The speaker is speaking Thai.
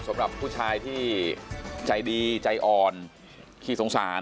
สำหรับผู้ชายที่ใจดีใจอ่อนขี้สงสาร